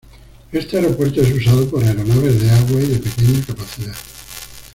Este aeropuerto es usado por aeronaves de agua y de pequeña capacidad.